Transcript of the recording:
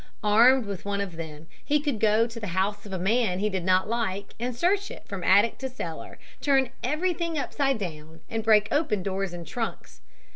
Armed with one of them he could go to the house of a man he did not like and search it from attic to cellar, turn everything upside down and break open doors and trunks.